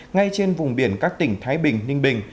ngay trên vùng biển các tỉnh thái bình ninh bình